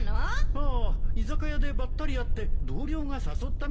ああ居酒屋でばったり会って同僚が誘ったみたいなんだよ。